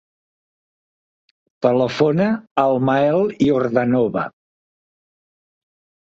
Telefona al Mael Yordanova.